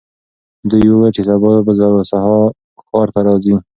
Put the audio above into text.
دوی وویل چې سبا به ښار ته ځي.